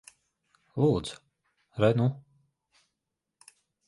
Lūdzu. Re nu.